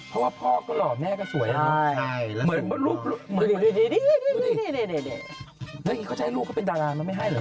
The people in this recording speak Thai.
เพราะว่าพ่อก็เหลาะแม่ก็สวย